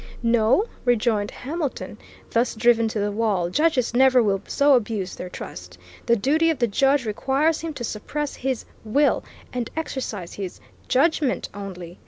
No, rejoined Hamilton, thus driven to the wall, judges never will so abuse their trust. The duty of the judge requires him to suppress his will, and exercise his judgment only.